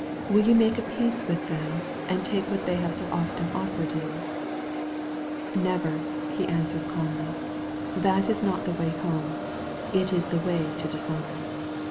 Will you make a peace with them and take what th^ have so often oflferedyou? "Never," he answered calmly; "that is not the way home, it b the way to dishonor.